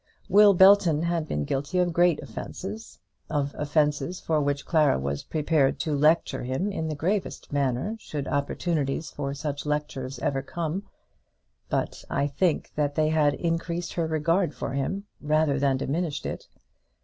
Will Belton had been guilty of great offences, of offences for which Clara was prepared to lecture him in the gravest manner should opportunities for such lectures ever come; but I think that they had increased her regard for him rather than diminished it.